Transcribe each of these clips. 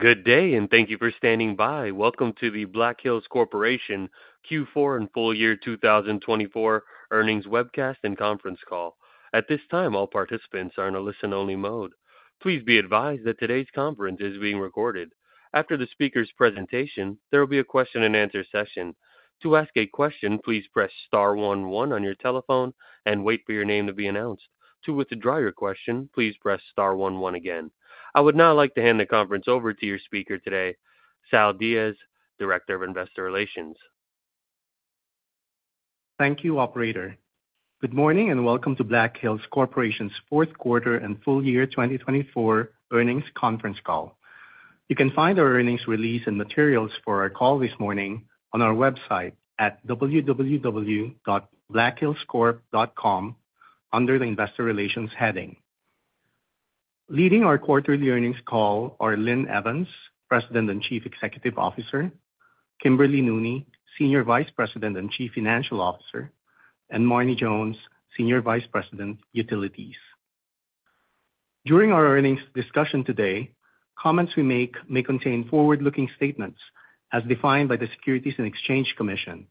Good day, and thank you for standing by. Welcome to the Black Hills Corporation Q4 and Full Year 2024 Earnings Webcast and Conference Call. At this time, all participants are in a listen-only mode. Please be advised that today's conference is being recorded. After the speaker's presentation, there will be a question-and-answer session. To ask a question, please press star 11 on your telephone and wait for your name to be announced. To withdraw your question, please press star 11 again. I would now like to hand the conference over to your speaker today, Sal Diaz, Director of Investor Relations. Thank you, Operator. Good morning and welcome to Black Hills Corporation's fourth quarter and full year 2024 earnings conference call. You can find our earnings release and materials for our call this morning on our website at www.blackhillscorp.com under the Investor Relations heading. Leading our quarterly earnings call are Linden Evans, President and Chief Executive Officer, Kimberly Nooney, Senior Vice President and Chief Financial Officer, and Marne Jones, Senior Vice President, Utilities. During our earnings discussion today, comments we make may contain forward-looking statements as defined by the Securities and Exchange Commission,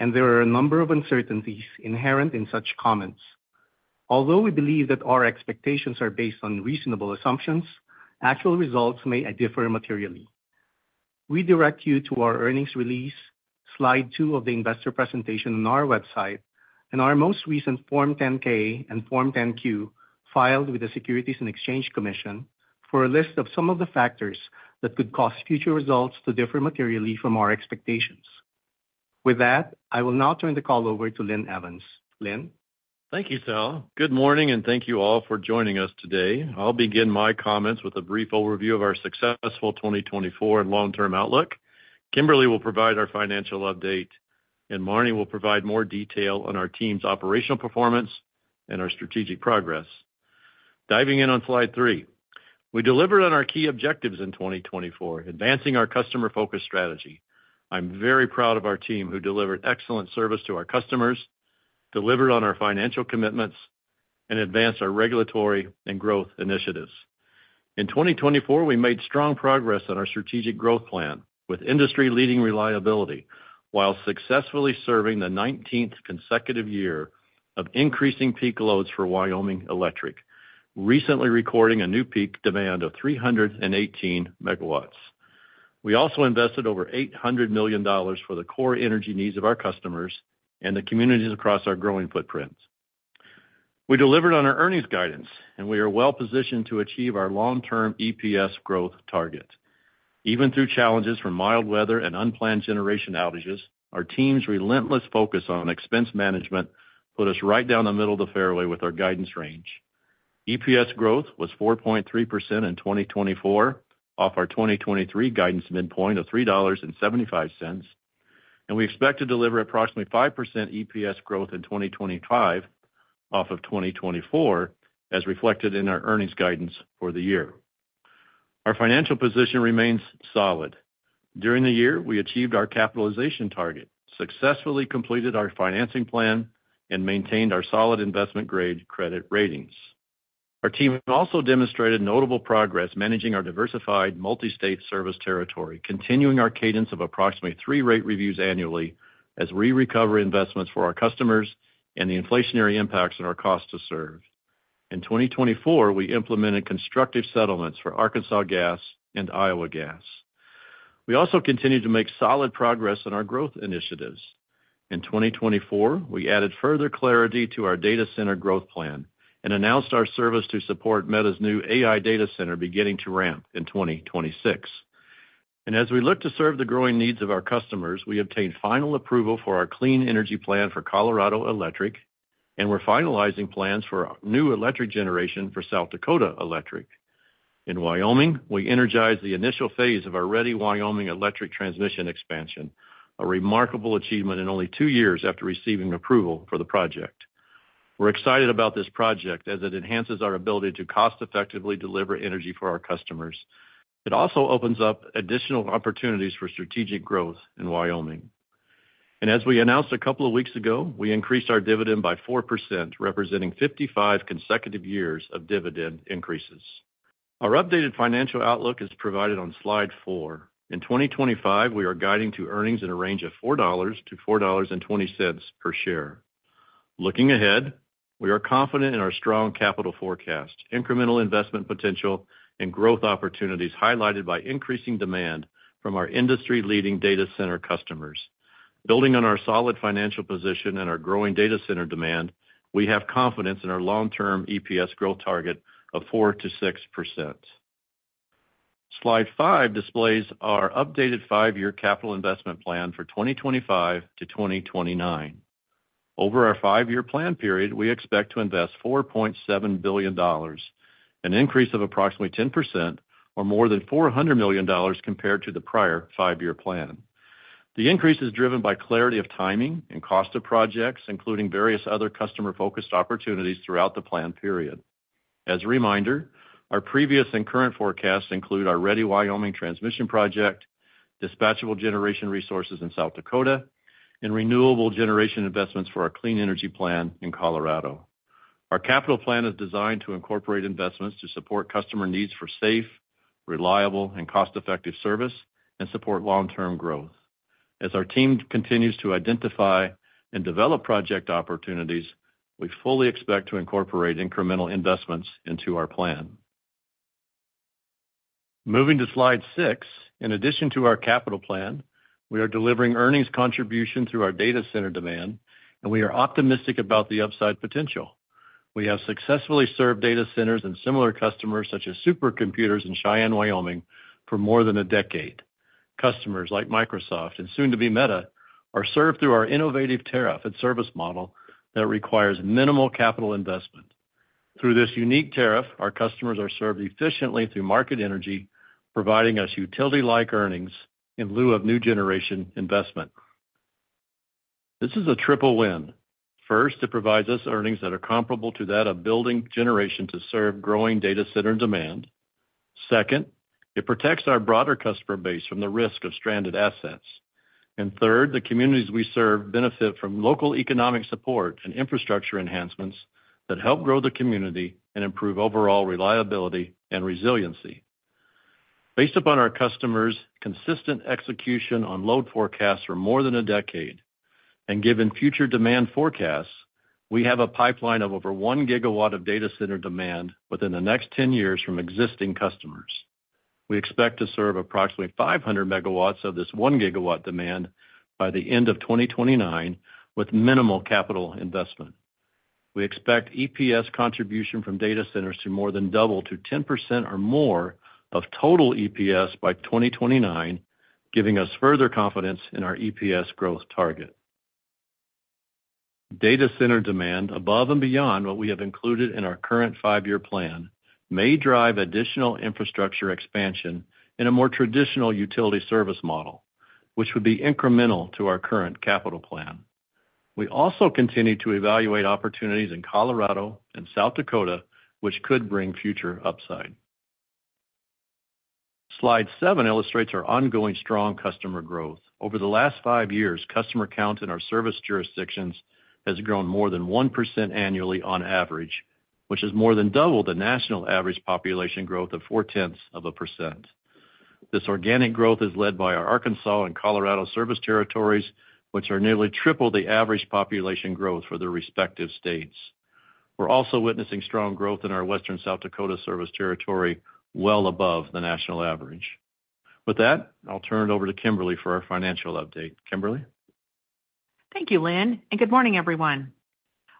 and there are a number of uncertainties inherent in such comments. Although we believe that our expectations are based on reasonable assumptions, actual results may differ materially. We direct you to our earnings release, Slide 2 of the investor presentation on our website, and our most recent Form 10-K and Form 10-Q filed with the Securities and Exchange Commission for a list of some of the factors that could cause future results to differ materially from our expectations. With that, I will now turn the call over to Linden Evans. Lind? Thank you, Sal. Good morning, and thank you all for joining us today. I'll begin my comments with a brief overview of our successful 2024 and long-term outlook. Kimberly will provide our financial update, and Marne will provide more detail on our team's operational performance and our strategic progress. Diving in on Slide 3, we delivered on our key objectives in 2024, advancing our customer-focused strategy. I'm very proud of our team who delivered excellent service to our customers, delivered on our financial commitments, and advanced our regulatory and growth initiatives. In 2024, we made strong progress on our strategic growth plan with industry-leading reliability while successfully serving the 19th consecutive year of increasing peak loads for Wyoming Electric, recently recording a new peak demand of 318 MW. We also invested over $800 million for the core energy needs of our customers and the communities across our growing footprints. We delivered on our earnings guidance, and we are well-positioned to achieve our long-term EPS growth target. Even through challenges from mild weather and unplanned generation outages, our team's relentless focus on expense management put us right down the middle of the fairway with our guidance range. EPS growth was 4.3% in 2024, off our 2023 guidance midpoint of $3.75, and we expect to deliver approximately 5% EPS growth in 2025 off of 2024, as reflected in our earnings guidance for the year. Our financial position remains solid. During the year, we achieved our capitalization target, successfully completed our financing plan, and maintained our solid investment-grade credit ratings. Our team also demonstrated notable progress managing our diversified multi-state service territory, continuing our cadence of approximately three rate reviews annually as we recover investments for our customers and the inflationary impacts on our cost to serve. In 2024, we implemented constructive settlements for Arkansas Gas and Iowa Gas. We also continued to make solid progress on our growth initiatives. In 2024, we added further clarity to our data center growth plan and announced our service to support Meta's new AI data center beginning to ramp in 2026, and as we look to serve the growing needs of our customers, we obtained final approval for our Clean Energy Plan for Colorado Electric, and we're finalizing plans for new electric generation for South Dakota Electric. In Wyoming, we energized the initial phase of our Ready Wyoming electric transmission expansion, a remarkable achievement in only two years after receiving approval for the project. We're excited about this project as it enhances our ability to cost-effectively deliver energy for our customers. It also opens up additional opportunities for strategic growth in Wyoming. As we announced a couple of weeks ago, we increased our dividend by 4%, representing 55 consecutive years of dividend increases. Our updated financial outlook is provided on Slide 4. In 2025, we are guiding to earnings in a range of $4-$4.20 per share. Looking ahead, we are confident in our strong capital forecast, incremental investment potential, and growth opportunities highlighted by increasing demand from our industry-leading data center customers. Building on our solid financial position and our growing data center demand, we have confidence in our long-term EPS growth target of 4%-6%. Slide 5 displays our updated five-year capital investment plan for 2025 to 2029. Over our five-year plan period, we expect to invest $4.7 billion, an increase of approximately 10% or more than $400 million compared to the prior five-year plan. The increase is driven by clarity of timing and cost of projects, including various other customer-focused opportunities throughout the plan period. As a reminder, our previous and current forecasts include our Ready Wyoming transmission project, dispatchable generation resources in South Dakota, and renewable generation investments for our Clean Energy Plan in Colorado. Our capital plan is designed to incorporate investments to support customer needs for safe, reliable, and cost-effective service and support long-term growth. As our team continues to identify and develop project opportunities, we fully expect to incorporate incremental investments into our plan. Moving to Slide 6, in addition to our capital plan, we are delivering earnings contribution through our data center demand, and we are optimistic about the upside potential. We have successfully served data centers and similar customers such as supercomputers in Cheyenne, Wyoming, for more than a decade. Customers like Microsoft and soon to be Meta are served through our innovative tariff and service model that requires minimal capital investment. Through this unique tariff, our customers are served efficiently through market energy, providing us utility-like earnings in lieu of new generation investment. This is a triple win. First, it provides us earnings that are comparable to that of building generation to serve growing data center demand. Second, it protects our broader customer base from the risk of stranded assets. And third, the communities we serve benefit from local economic support and infrastructure enhancements that help grow the community and improve overall reliability and resiliency. Based upon our customers' consistent execution on load forecasts for more than a decade and given future demand forecasts, we have a pipeline of over 1 GW of data center demand within the next 10 years from existing customers. We expect to serve approximately 500 MW of this 1 GW demand by the end of 2029 with minimal capital investment. We expect EPS contribution from data centers to more than double to 10% or more of total EPS by 2029, giving us further confidence in our EPS growth target. Data center demand above and beyond what we have included in our current five-year plan may drive additional infrastructure expansion in a more traditional utility service model, which would be incremental to our current capital plan. We also continue to evaluate opportunities in Colorado and South Dakota, which could bring future upside. Slide 7 illustrates our ongoing strong customer growth. Over the last five years, customer count in our service jurisdictions has grown more than 1% annually on average, which is more than double the national average population growth of 0.4%. This organic growth is led by our Arkansas and Colorado service territories, which are nearly triple the average population growth for their respective states. We're also witnessing strong growth in our western South Dakota service territory, well above the national average. With that, I'll turn it over to Kimberly for our financial update. Kimberly. Thank you, Linden, and good morning, everyone.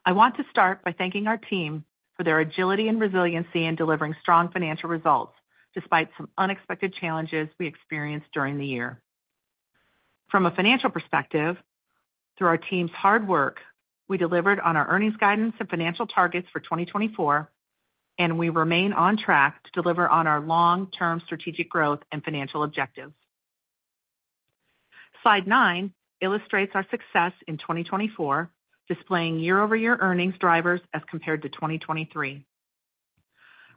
I want to start by thanking our team for their agility and resiliency in delivering strong financial results despite some unexpected challenges we experienced during the year. From a financial perspective, through our team's hard work, we delivered on our earnings guidance and financial targets for 2024, and we remain on track to deliver on our long-term strategic growth and financial objectives. Slide 9 illustrates our success in 2024, displaying year-over-year earnings drivers as compared to 2023.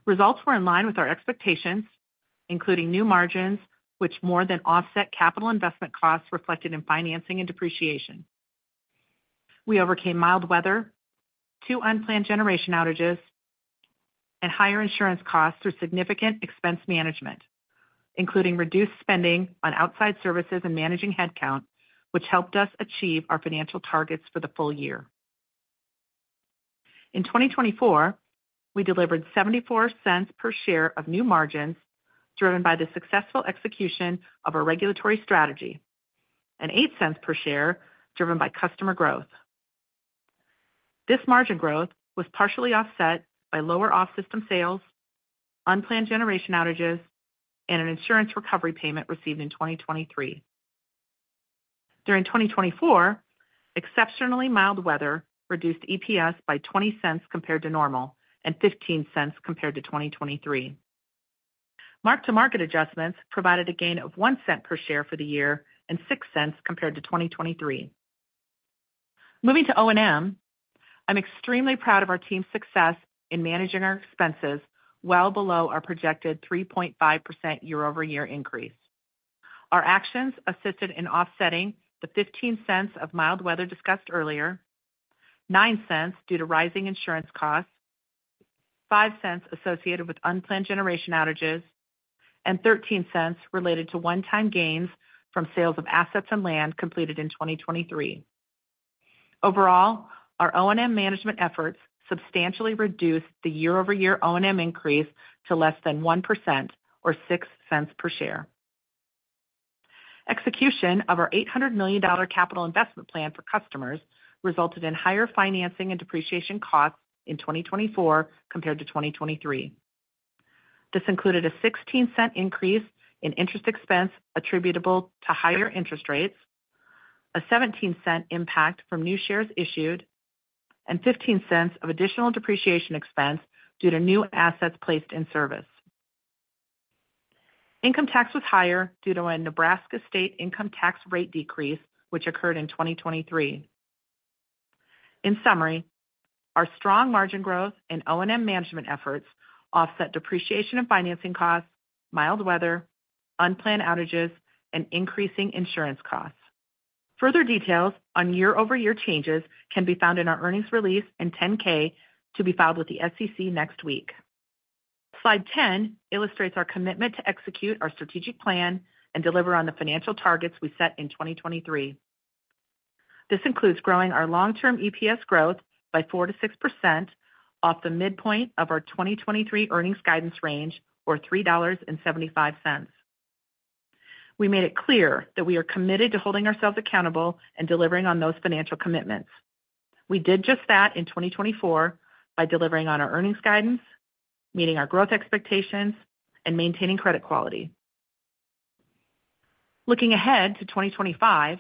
Results were in line with our expectations, including new margins, which more than offset capital investment costs reflected in financing and depreciation. We overcame mild weather, two unplanned generation outages, and higher insurance costs through significant expense management, including reduced spending on outside services and managing headcount, which helped us achieve our financial targets for the full year. In 2024, we delivered $0.74 per share of new margins driven by the successful execution of our regulatory strategy and $0.08 per share driven by customer growth. This margin growth was partially offset by lower off-system sales, unplanned generation outages, and an insurance recovery payment received in 2023. During 2024, exceptionally mild weather reduced EPS by $0.20 compared to normal and $0.15 compared to 2023. Mark-to-market adjustments provided a gain of $0.01 per share for the year and $0.06 compared to 2023. Moving to O&M, I'm extremely proud of our team's success in managing our expenses well below our projected 3.5% year-over-year increase. Our actions assisted in offsetting the $0.15 of mild weather discussed earlier, $0.09 due to rising insurance costs, $0.05 associated with unplanned generation outages, and $0.13 related to one-time gains from sales of assets and land completed in 2023. Overall, our O&M management efforts substantially reduced the year-over-year O&M increase to less than 1% or $0.06 per share. Execution of our $800 million capital investment plan for customers resulted in higher financing and depreciation costs in 2024 compared to 2023. This included a $0.16 increase in interest expense attributable to higher interest rates, a $0.17 impact from new shares issued, and $0.15 of additional depreciation expense due to new assets placed in service. Income tax was higher due to a Nebraska state income tax rate decrease, which occurred in 2023. In summary, our strong margin growth and O&M management efforts offset depreciation and financing costs, mild weather, unplanned outages, and increasing insurance costs. Further details on year-over-year changes can be found in our earnings release and 10-K to be filed with the SEC next week. Slide 10 illustrates our commitment to execute our strategic plan and deliver on the financial targets we set in 2023. This includes growing our long-term EPS growth by 4%-6% off the midpoint of our 2023 earnings guidance range or $3.75. We made it clear that we are committed to holding ourselves accountable and delivering on those financial commitments. We did just that in 2024 by delivering on our earnings guidance, meeting our growth expectations, and maintaining credit quality. Looking ahead to 2025,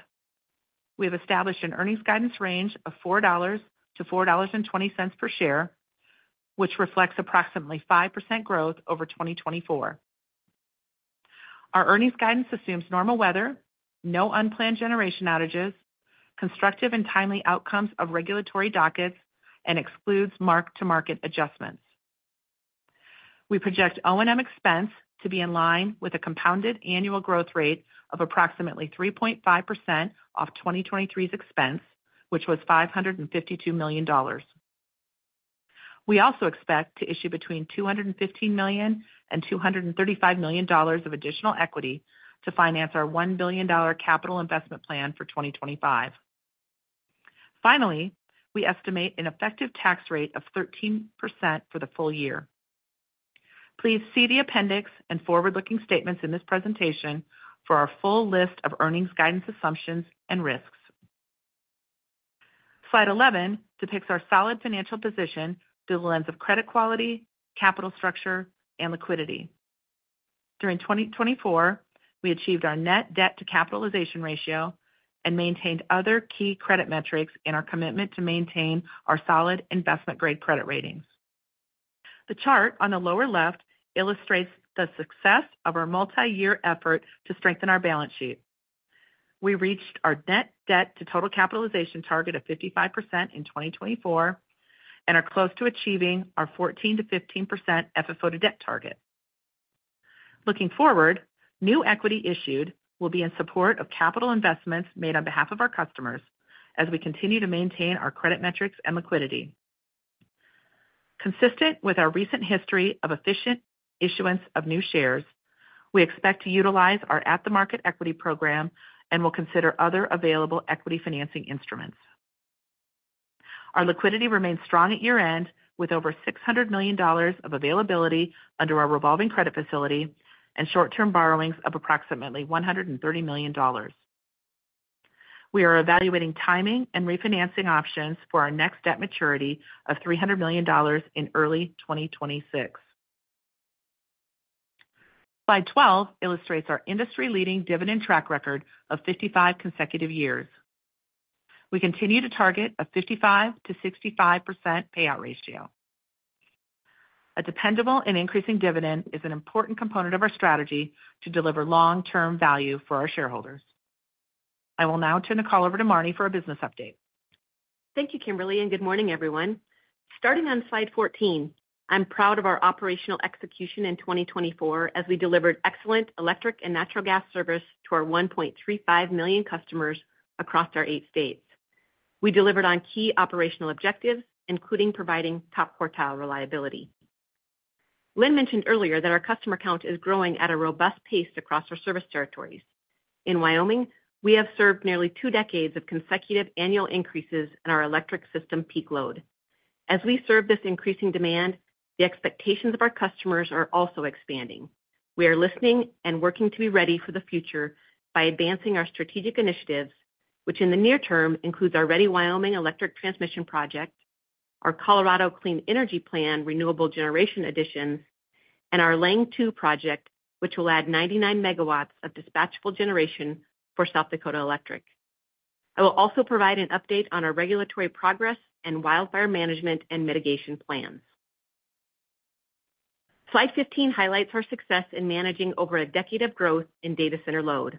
we have established an earnings guidance range of $4-$4.20 per share, which reflects approximately 5% growth over 2024. Our earnings guidance assumes normal weather, no unplanned generation outages, constructive and timely outcomes of regulatory dockets, and excludes mark-to-market adjustments. We project O&M expense to be in line with a compounded annual growth rate of approximately 3.5% off 2023's expense, which was $552 million. We also expect to issue between $215 million and $235 million of additional equity to finance our $1 billion capital investment plan for 2025. Finally, we estimate an effective tax rate of 13% for the full year. Please see the appendix and forward-looking statements in this presentation for our full list of earnings guidance assumptions and risks. Slide 11 depicts our solid financial position through the lens of credit quality, capital structure, and liquidity. During 2024, we achieved our net debt-to-capitalization ratio and maintained other key credit metrics in our commitment to maintain our solid investment-grade credit ratings. The chart on the lower left illustrates the success of our multi-year effort to strengthen our balance sheet. We reached our net debt-to-total capitalization target of 55% in 2024 and are close to achieving our 14%-15% FFO-to-debt target. Looking forward, new equity issued will be in support of capital investments made on behalf of our customers as we continue to maintain our credit metrics and liquidity. Consistent with our recent history of efficient issuance of new shares, we expect to utilize our at-the-market equity program and will consider other available equity financing instruments. Our liquidity remains strong at year-end with over $600 million of availability under our revolving credit facility and short-term borrowings of approximately $130 million. We are evaluating timing and refinancing options for our next debt maturity of $300 million in early 2026. Slide 12 illustrates our industry-leading dividend track record of 55 consecutive years. We continue to target a 55%-65% payout ratio. A dependable and increasing dividend is an important component of our strategy to deliver long-term value for our shareholders. I will now turn the call over to Marne for a business update. Thank you, Kimberly, and good morning, everyone. Starting on Slide 14, I'm proud of our operational execution in 2024 as we delivered excellent electric and natural gas service to our 1.35 million customers across our eight states. We delivered on key operational objectives, including providing top quartile reliability. Linden mentioned earlier that our customer count is growing at a robust pace across our service territories. In Wyoming, we have served nearly two decades of consecutive annual increases in our electric system peak load. As we serve this increasing demand, the expectations of our customers are also expanding. We are listening and working to be ready for the future by advancing our strategic initiatives, which in the near term includes our Ready Wyoming electric transmission project, our Colorado Clean Energy Plan renewable generation additions, and our Lange II project, which will add 99 MW of dispatchable generation for South Dakota Electric. I will also provide an update on our regulatory progress and wildfire management and mitigation plans. Slide 15 highlights our success in managing over a decade of growth in data center load.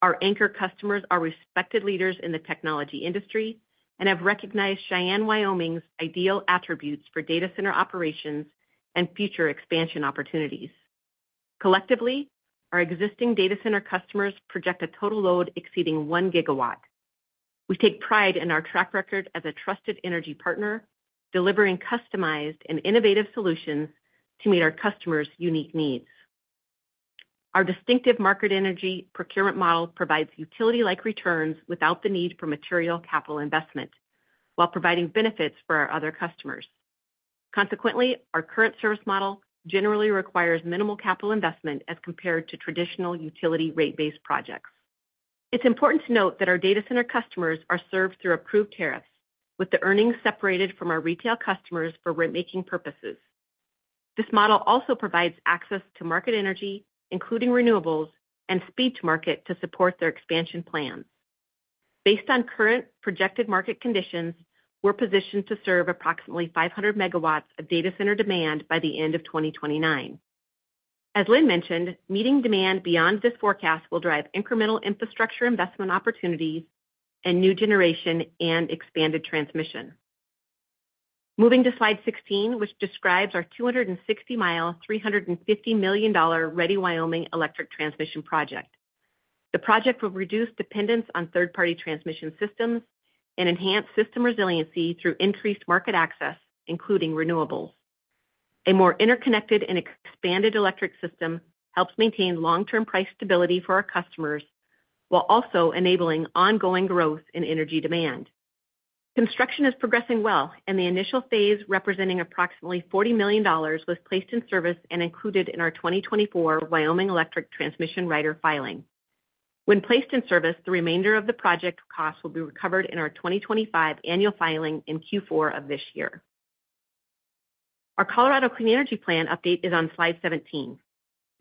Our anchor customers are respected leaders in the technology industry and have recognized Cheyenne, Wyoming's ideal attributes for data center operations and future expansion opportunities. Collectively, our existing data center customers project a total load exceeding 1 GW. We take pride in our track record as a trusted energy partner, delivering customized and innovative solutions to meet our customers' unique needs. Our distinctive market energy procurement model provides utility-like returns without the need for material capital investment while providing benefits for our other customers. Consequently, our current service model generally requires minimal capital investment as compared to traditional utility rate-based projects. It's important to note that our data center customers are served through approved tariffs, with the earnings separated from our retail customers for rate-making purposes. This model also provides access to market energy, including renewables, and speed to market to support their expansion plans. Based on current projected market conditions, we're positioned to serve approximately 500 MW of data center demand by the end of 2029. As Linden mentioned, meeting demand beyond this forecast will drive incremental infrastructure investment opportunities and new generation and expanded transmission. Moving to Slide 16, which describes our 260-mi, $350 million Ready Wyoming electric transmission project. The project will reduce dependence on third-party transmission systems and enhance system resiliency through increased market access, including renewables. A more interconnected and expanded electric system helps maintain long-term price stability for our customers while also enabling ongoing growth in energy demand. Construction is progressing well, and the initial phase representing approximately $40 million was placed in service and included in our 2024 Wyoming electric transmission rider filing. When placed in service, the remainder of the project costs will be recovered in our 2025 annual filing in Q4 of this year. Our Colorado Clean Energy Plan update is on Slide 17.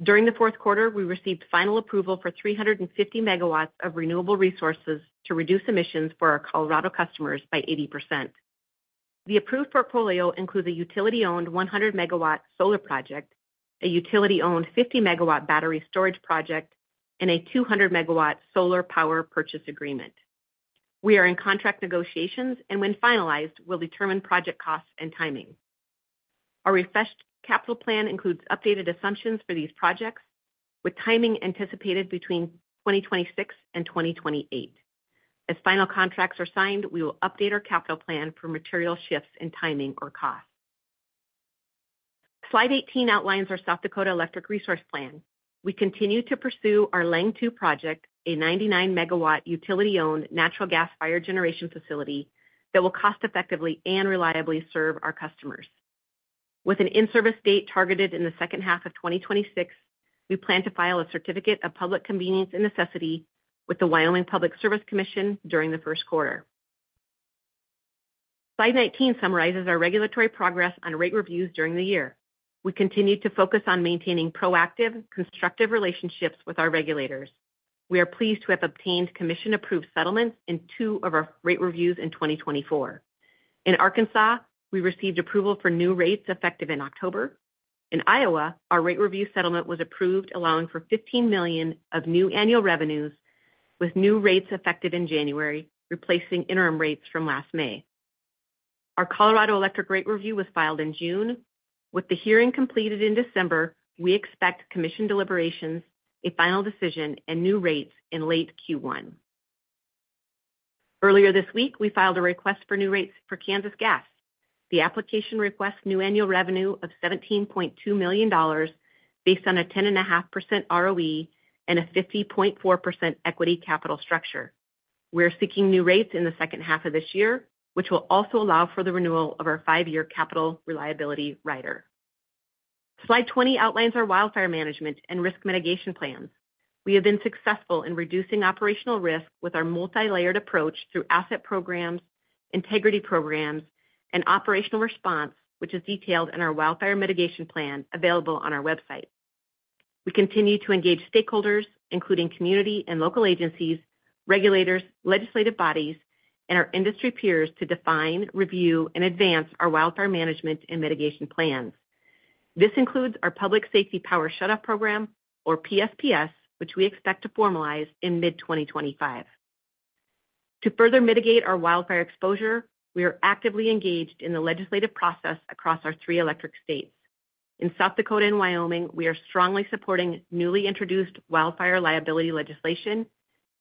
During the fourth quarter, we received final approval for 350 MW of renewable resources to reduce emissions for our Colorado customers by 80%. The approved portfolio includes a utility-owned 100-MW solar project, a utility-owned 50-MW battery storage project, and a 200-MW solar power purchase agreement. We are in contract negotiations, and when finalized, we'll determine project costs and timing. Our refreshed capital plan includes updated assumptions for these projects, with timing anticipated between 2026 and 2028. As final contracts are signed, we will update our capital plan for material shifts in timing or cost. Slide 18 outlines our South Dakota Electric Resource Plan. We continue to pursue our Lange II project, a 99-MW utility-owned natural gas-fired generation facility that will cost-effectively and reliably serve our customers. With an in-service date targeted in the second half of 2026, we plan to file a Certificate of Public Convenience and Necessity with the Wyoming Public Service Commission during the first quarter. Slide 19 summarizes our regulatory progress on rate reviews during the year. We continue to focus on maintaining proactive, constructive relationships with our regulators. We are pleased to have obtained commission-approved settlements in two of our rate reviews in 2024. In Arkansas, we received approval for new rates effective in October. In Iowa, our rate review settlement was approved, allowing for $15 million of new annual revenues, with new rates effective in January, replacing interim rates from last May. Our Colorado Electric rate review was filed in June. With the hearing completed in December, we expect commission deliberations, a final decision, and new rates in late Q1. Earlier this week, we filed a request for new rates for Arkansas Gas. The application requests new annual revenue of $17.2 million based on a 10.5% ROE and a 50.4% equity capital structure. We are seeking new rates in the second half of this year, which will also allow for the renewal of our five-year Capital Reliability Rider. Slide 20 outlines our wildfire management and risk mitigation plans. We have been successful in reducing operational risk with our multi-layered approach through asset programs, integrity programs, and operational response, which is detailed in our Wildfire Mitigation Plan available on our website. We continue to engage stakeholders, including community and local agencies, regulators, legislative bodies, and our industry peers to define, review, and advance our wildfire management and mitigation plans. This includes our Public Safety Power Shutoff program, or PSPS, which we expect to formalize in mid-2025. To further mitigate our wildfire exposure, we are actively engaged in the legislative process across our three electric states. In South Dakota and Wyoming, we are strongly supporting newly introduced wildfire liability legislation,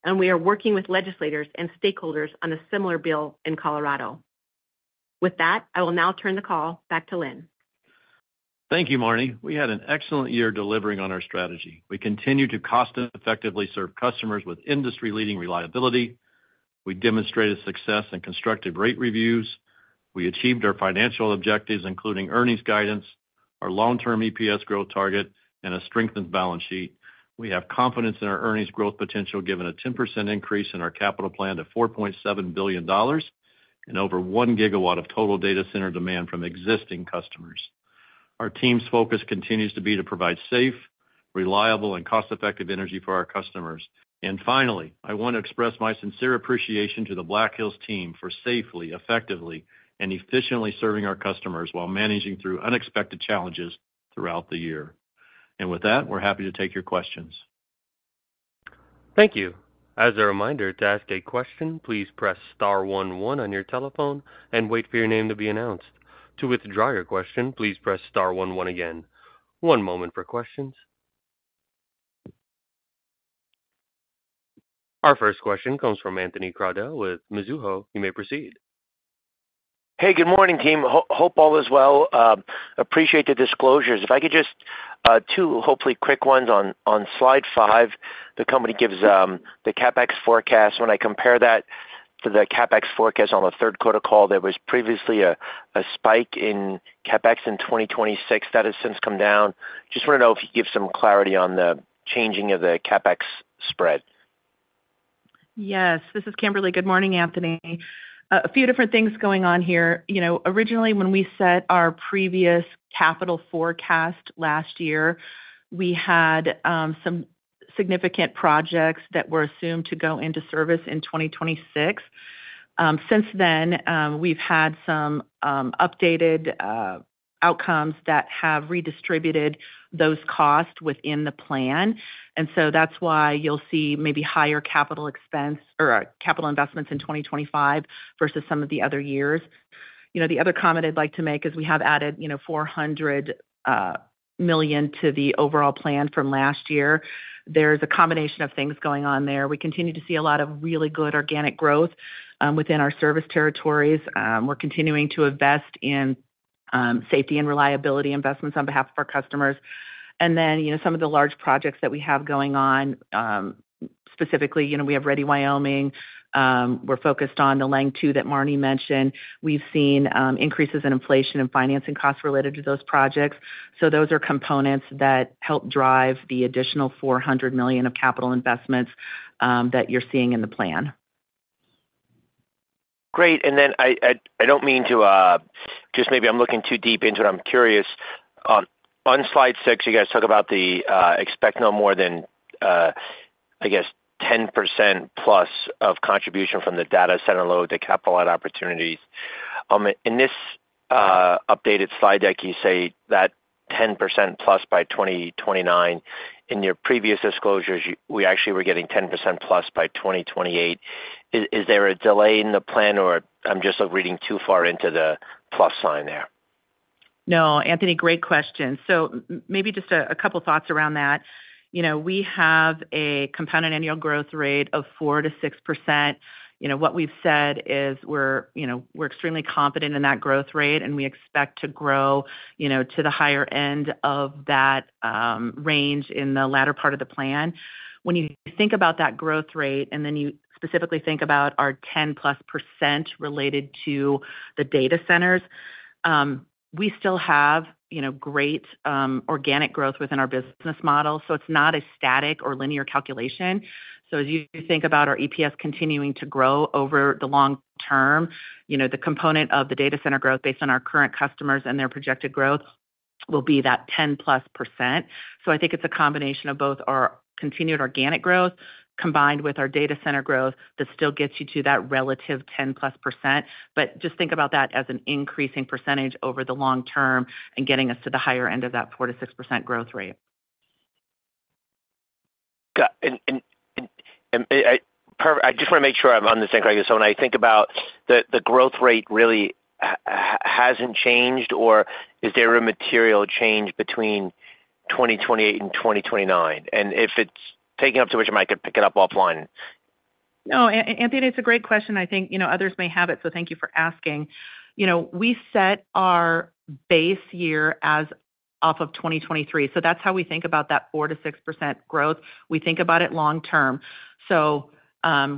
and we are working with legislators and stakeholders on a similar bill in Colorado. With that, I will now turn the call back to Linden. Thank you, Marne. We had an excellent year delivering on our strategy. We continue to cost-effectively serve customers with industry-leading reliability. We demonstrated success in constructive rate reviews. We achieved our financial objectives, including earnings guidance, our long-term EPS growth target, and a strengthened balance sheet. We have confidence in our earnings growth potential, given a 10% increase in our capital plan to $4.7 billion and over 1 GW of total data center demand from existing customers. Our team's focus continues to be to provide safe, reliable, and cost-effective energy for our customers. And finally, I want to express my sincere appreciation to the Black Hills team for safely, effectively, and efficiently serving our customers while managing through unexpected challenges throughout the year. And with that, we're happy to take your questions. Thank you. As a reminder, to ask a question, please press star 11 on your telephone and wait for your name to be announced. To withdraw your question, please press star 11 again. One moment for questions. Our first question comes from Anthony Crowdell with Mizuho. You may proceed. Hey, good morning, team. Hope all is well. Appreciate the disclosures. If I could just two hopefully quick ones on Slide 5. The company gives the CapEx forecast. When I compare that to the CapEx forecast on the third quarter call, there was previously a spike in CapEx in 2026. That has since come down. Just want to know if you could give some clarity on the changing of the CapEx spread. Yes, this is Kimberly. Good morning, Anthony. A few different things going on here. Originally, when we set our previous capital forecast last year, we had some significant projects that were assumed to go into service in 2026. Since then, we've had some updated outcomes that have redistributed those costs within the plan, and so that's why you'll see maybe higher capital expense or capital investments in 2025 versus some of the other years. The other comment I'd like to make is we have added $400 million to the overall plan from last year. There's a combination of things going on there. We continue to see a lot of really good organic growth within our service territories. We're continuing to invest in safety and reliability investments on behalf of our customers, and then some of the large projects that we have going on, specifically, we have Ready Wyoming. We're focused on the Lange II that Marne mentioned. We've seen increases in inflation and financing costs related to those projects. So those are components that help drive the additional $400 million of capital investments that you're seeing in the plan. Great. And then I don't mean to just maybe I'm looking too deep into it. I'm curious. On Slide six, you guys talk about the expected no more than, I guess, 10% plus of contribution from the data center load to capital opportunities. In this updated slide deck, you say that 10% plus by 2029. In your previous disclosures, we actually were getting 10%+ by 2028. Is there a delay in the plan, or I'm just reading too far into the plus sign there? No, Anthony, great question, so maybe just a couple of thoughts around that. We have a compounded annual growth rate of 4%-6%. What we've said is we're extremely confident in that growth rate, and we expect to grow to the higher end of that range in the latter part of the plan. When you think about that growth rate and then you specifically think about our 10+% related to the data centers, we still have great organic growth within our business model, so it's not a static or linear calculation, so as you think about our EPS continuing to grow over the long term, the component of the data center growth based on our current customers and their projected growth will be that 10+%. I think it's a combination of both our continued organic growth combined with our data center growth that still gets you to that relative 10-plus%. Just think about that as an increasing percentage over the long term and getting us to the higher end of that 4%-6% growth rate. Got it. And I just want to make sure I'm on the same track. So when I think about the growth rate, really hasn't changed, or is there a material change between 2028 and 2029? And if it's taking up too much of my time, I could pick it up offline. No, Anthony, it's a great question. I think others may have it, so thank you for asking. We set our base year off of 2023. So that's how we think about that 4%-6% growth. We think about it long term. So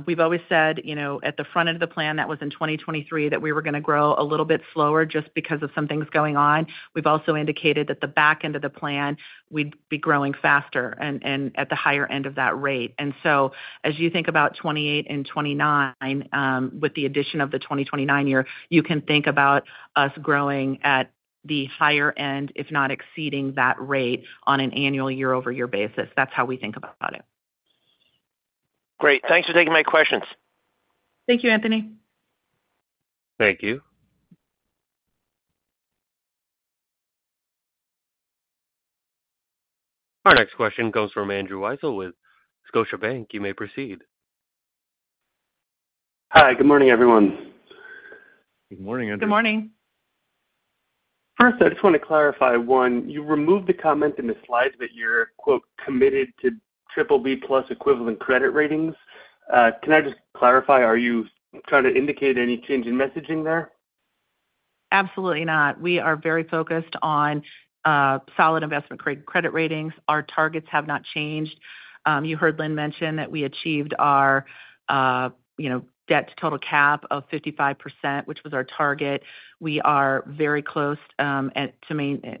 we've always said at the front end of the plan that was in 2023 that we were going to grow a little bit slower just because of some things going on. We've also indicated that the back end of the plan, we'd be growing faster and at the higher end of that rate. And so as you think about 2028 and 2029 with the addition of the 2029 year, you can think about us growing at the higher end, if not exceeding that rate on an annual year-over-year basis. That's how we think about it. Great. Thanks for taking my questions. Thank you, Anthony. Thank you. Our next question comes from Andrew Weisel with Scotiabank. You may proceed. Hi, good morning, everyone. Good morning, Andrew. Good morning. First, I just want to clarify one. You removed the comment in the slide that you're "committed to BBB+ equivalent credit ratings." Can I just clarify? Are you trying to indicate any change in messaging there? Absolutely not. We are very focused on solid investment credit ratings. Our targets have not changed. You heard Linden mention that we achieved our debt to total cap of 55%, which was our target. We are very close to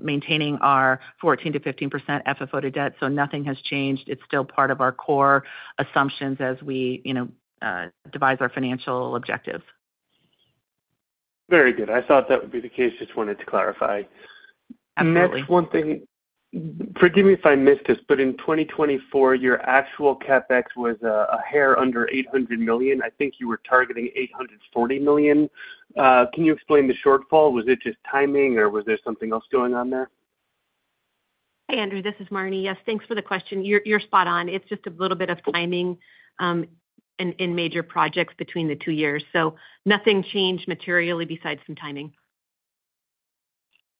maintaining our 14%-15% FFO to debt. So nothing has changed. It's still part of our core assumptions as we devise our financial objectives. Very good. I thought that would be the case. Just wanted to clarify. Absolutely. Next, one thing, forgive me if I missed this, but in 2024, your actual CapEx was a hair under $800 million. I think you were targeting $840 million. Can you explain the shortfall? Was it just timing, or was there something else going on there? Hey, Andrew, this is Marne. Yes, thanks for the question. You're spot on. It's just a little bit of timing in major projects between the two years. So nothing changed materially besides some timing.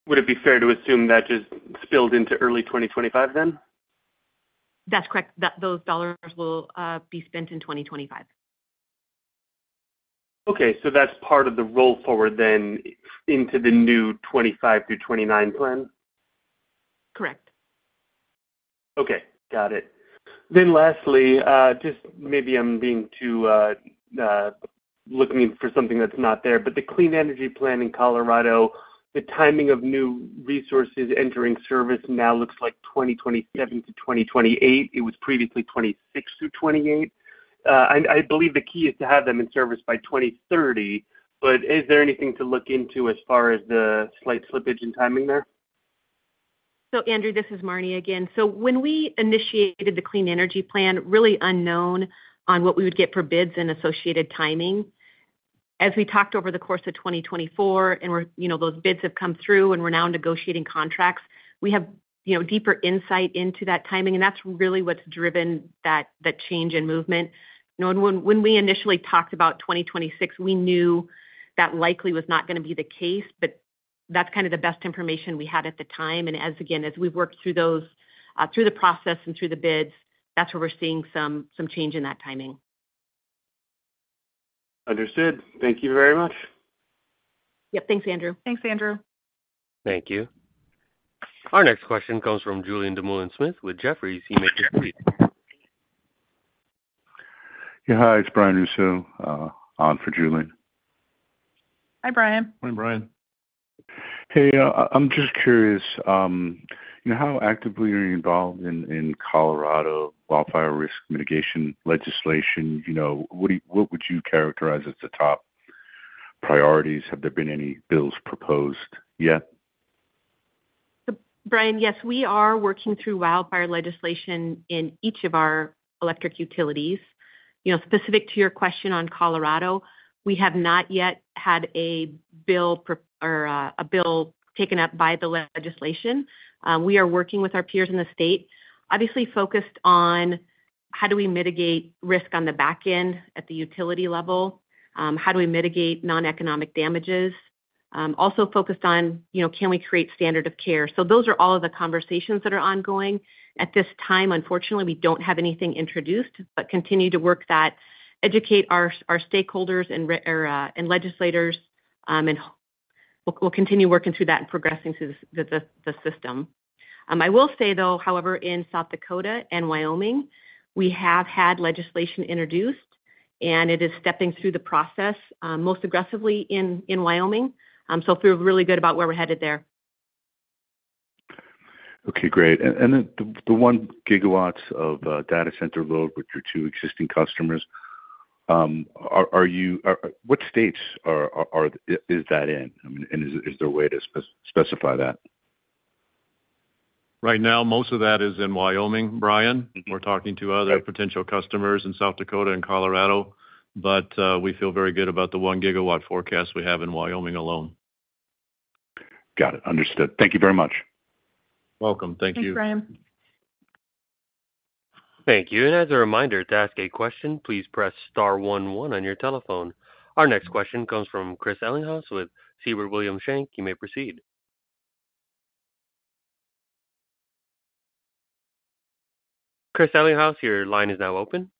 Would it be fair to assume that just spilled into early 2025 then? That's correct. Those dollars will be spent in 2025. Okay. So that's part of the roll forward then into the new 2025 through 2029 plan? Correct. Okay. Got it, then lastly, just maybe I'm being too looking for something that's not there, but the Clean Energy Plan in Colorado, the timing of new resources entering service now looks like 2027 to 2028, it was previously 2026 through 2028. I believe the key is to have them in service by 2030, but is there anything to look into as far as the slight slippage in timing there? Andrew, this is Marne again. When we initiated the Clean Energy Plan, really unknown on what we would get for bids and associated timing. As we talked over the course of 2024, and those bids have come through, and we're now negotiating contracts, we have deeper insight into that timing. That's really what's driven that change in movement. When we initially talked about 2026, we knew that likely was not going to be the case. That's kind of the best information we had at the time. Again, as we've worked through the process and through the bids, that's where we're seeing some change in that timing. Understood. Thank you very much. Yep. Thanks, Andrew. Thanks, Andrew. Thank you. Our next question comes from Julian Dumoulin-Smith with Jefferies, Kimberly. Yeah, hi. It's Brian Russo, on for Julian. Hi, Brian. Hi, Brian. Hey, I'm just curious, how actively are you involved in Colorado wildfire risk mitigation legislation? What would you characterize as the top priorities? Have there been any bills proposed yet? Brian, yes, we are working through wildfire legislation in each of our electric utilities. Specific to your question on Colorado, we have not yet had a bill taken up by the legislature. We are working with our peers in the state, obviously focused on how do we mitigate risk on the back end at the utility level? How do we mitigate non-economic damages? Also focused on, can we create standard of care? So those are all of the conversations that are ongoing. At this time, unfortunately, we don't have anything introduced, but continue to work that, educate our stakeholders and legislators, and we'll continue working through that and progressing through the system. I will say, though, however, in South Dakota and Wyoming, we have had legislation introduced, and it is stepping through the process most aggressively in Wyoming. So feel really good about where we're headed there. Okay. Great. And then the 1 GW of data center load with your two existing customers, what states is that in? And is there a way to specify that? Right now, most of that is in Wyoming, Brian. We're talking to other potential customers in South Dakota and Colorado. But we feel very good about the 1 GW forecast we have in Wyoming alone. Got it. Understood. Thank you very much. Welcome. Thank you. Thanks, Brian. Thank you. And as a reminder, to ask a question, please press star 11 on your telephone. Our next question comes from Chris Ellinghaus with Siebert Williams Shank. You may proceed. Chris Ellinghaus, your line is now open.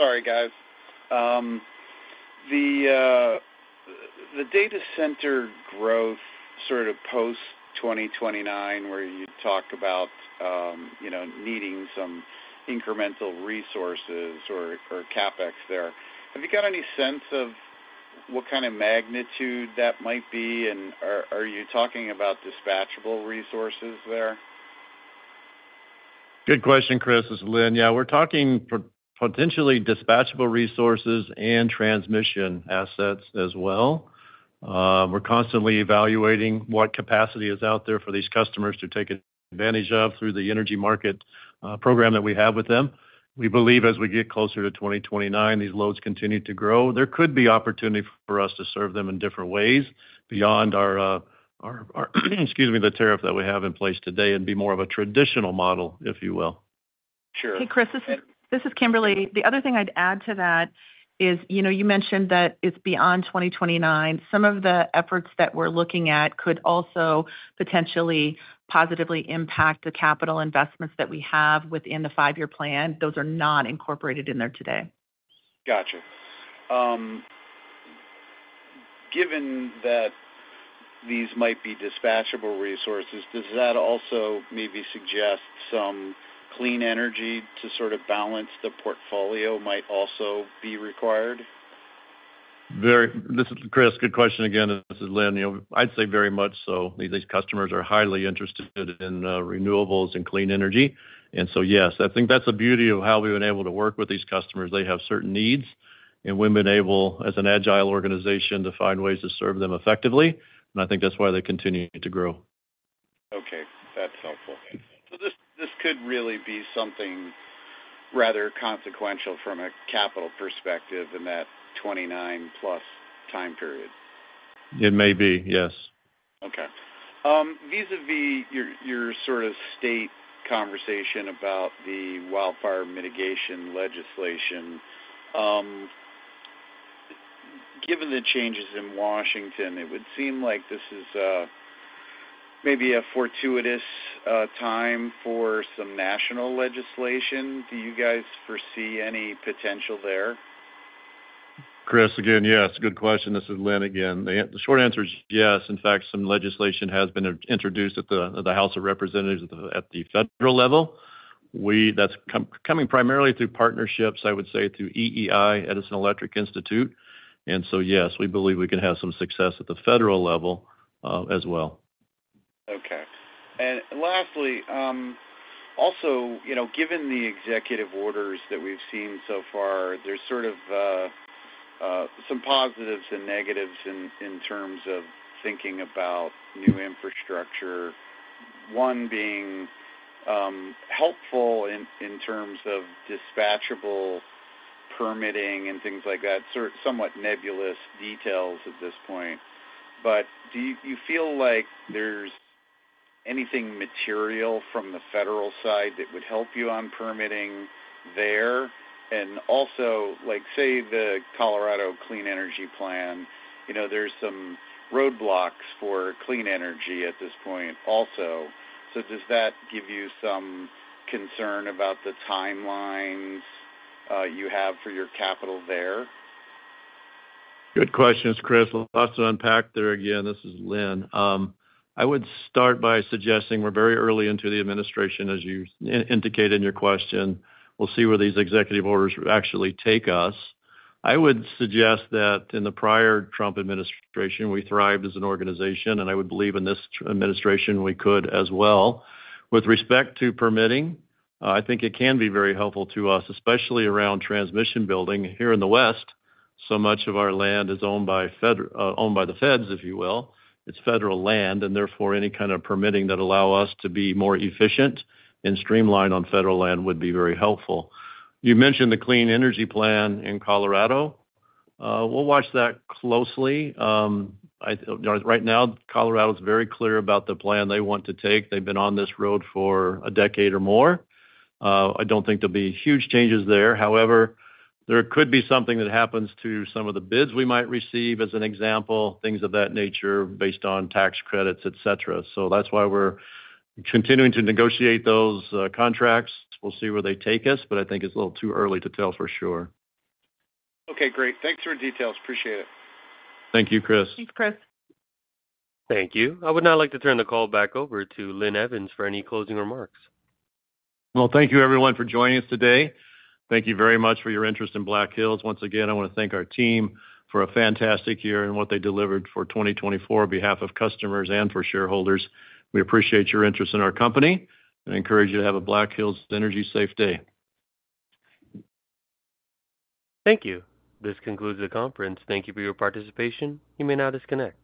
Sorry, guys. The data center growth sort of post-2029, where you talked about needing some incremental resources or CapEx there, have you got any sense of what kind of magnitude that might be? And are you talking about dispatchable resources there? Good question, Chris. As Linden. Yeah, we're talking potentially dispatchable resources and transmission assets as well. We're constantly evaluating what capacity is out there for these customers to take advantage of through the energy market program that we have with them. We believe as we get closer to 2029, these loads continue to grow. There could be opportunity for us to serve them in different ways beyond our, excuse me, the tariff that we have in place today and be more of a traditional model, if you will. Sure. Hey, Chris, this is Kimberly. The other thing I'd add to that is you mentioned that it's beyond 2029. Some of the efforts that we're looking at could also potentially positively impact the capital investments that we have within the five-year plan. Those are not incorporated in there today. Gotcha. Given that these might be dispatchable resources, does that also maybe suggest some clean energy to sort of balance the portfolio might also be required? This is Chris. Good question again. This is Linden. I'd say very much so. These customers are highly interested in renewables and clean energy. And so, yes, I think that's the beauty of how we've been able to work with these customers. They have certain needs, and we've been able, as an agile organization, to find ways to serve them effectively. And I think that's why they continue to grow. Okay. That's helpful. So this could really be something rather consequential from a capital perspective in that 2029-plus time period. It may be, yes. Okay. Vis-à-vis your sort of state conversation about the wildfire mitigation legislation, given the changes in Washington, it would seem like this is maybe a fortuitous time for some national legislation. Do you guys foresee any potential there? Chris, again, yes. Good question. This is Linden again. The short answer is yes. In fact, some legislation has been introduced at the House of Representatives at the federal level. That's coming primarily through partnerships, I would say, through EEI, Edison Electric Institute. And so, yes, we believe we can have some success at the federal level as well. Okay. And lastly, also, given the executive orders that we've seen so far, there's sort of some positives and negatives in terms of thinking about new infrastructure, one being helpful in terms of dispatchable permitting and things like that. Somewhat nebulous details at this point. But do you feel like there's anything material from the federal side that would help you on permitting there? And also, say, the Colorado Clean Energy Plan, there's some roadblocks for clean energy at this point also. So does that give you some concern about the timelines you have for your capital there? Good questions, Chris. Lots to unpack there again. This is Linden. I would start by suggesting we're very early into the administration, as you indicated in your question. We'll see where these executive orders actually take us. I would suggest that in the prior Trump administration, we thrived as an organization, and I would believe in this administration, we could as well. With respect to permitting, I think it can be very helpful to us, especially around transmission building here in the West. So much of our land is owned by the Feds, if you will. It's federal land, and therefore, any kind of permitting that allows us to be more efficient and streamlined on federal land would be very helpful. You mentioned the Clean Energy Plan in Colorado. We'll watch that closely. Right now, Colorado is very clear about the plan they want to take. They've been on this road for a decade or more. I don't think there'll be huge changes there. However, there could be something that happens to some of the bids we might receive, as an example, things of that nature based on tax credits, etc. So that's why we're continuing to negotiate those contracts. We'll see where they take us. But I think it's a little too early to tell for sure. Okay. Great. Thanks for the details. Appreciate it. Thank you, Chris. Thanks, Chris. Thank you. I would now like to turn the call back over to Linden Evans for any closing remarks. Thank you, everyone, for joining us today. Thank you very much for your interest in Black Hills. Once again, I want to thank our team for a fantastic year and what they delivered for 2024 on behalf of customers and for shareholders. We appreciate your interest in our company and encourage you to have a Black Hills Energy safe day. Thank you. This concludes the conference. Thank you for your participation. You may now disconnect.